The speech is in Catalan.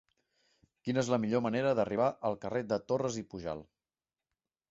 Quina és la millor manera d'arribar al carrer de Torras i Pujalt?